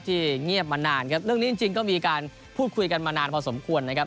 เงียบมานานครับเรื่องนี้จริงก็มีการพูดคุยกันมานานพอสมควรนะครับ